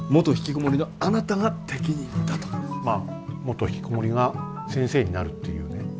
まあ元ひきこもりが先生になるっていうね